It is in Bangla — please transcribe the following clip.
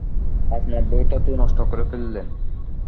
আপনার বইটা তো নষ্ট করে ফেললেন।